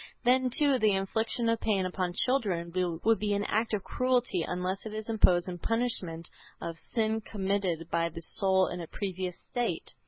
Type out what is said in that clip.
Then too the infliction of pain upon children would be an act of cruelty unless it is imposed in punishment of sin committed by the soul in a previous state.